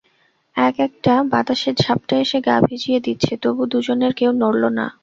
এক-একটা বাতাসের ঝাপটা এসে গা ভিজিয়ে দিচ্ছে, তবু দুজনের কেউ নড়ল না।